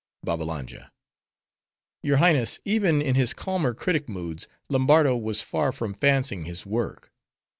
BABBALANJA—Your Highness, even in his calmer critic moods, Lombardo was far from fancying his work.